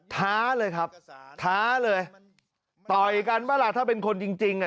ท้าเลยครับท้าเลยต่อยกันป่ะล่ะถ้าเป็นคนจริงจริงอ่ะ